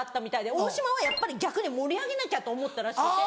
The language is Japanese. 大島はやっぱり逆に盛り上げなきゃと思ったらしくて。